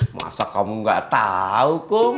masa kamu nggak tahu kum